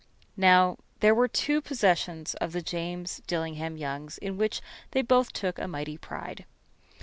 Now, there were two possessions of the James Dillingham Youngs in which they both took a mighty pride.